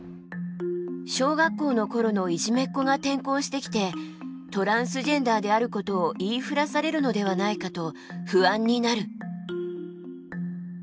小学校の頃のいじめっ子が転校してきてトランスジェンダーであることを言いふらされるのではないかと不安になる。